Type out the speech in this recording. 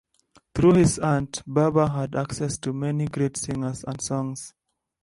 Through his aunt, Barber had access to many great singers and songs.